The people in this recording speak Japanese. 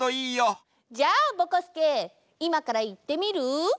じゃあぼこすけいまからいってみる？